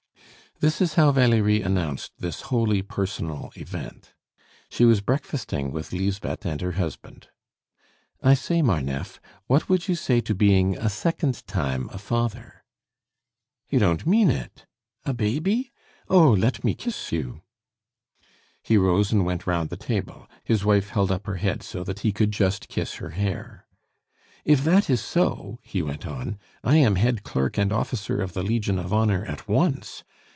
This is how Valerie announced this wholly personal event. She was breakfasting with Lisbeth and her husband. "I say, Marneffe, what would you say to being a second time a father?" "You don't mean it a baby? Oh, let me kiss you!" He rose and went round the table; his wife held up her head so that he could just kiss her hair. "If that is so," he went on, "I am head clerk and officer of the Legion of Honor at once.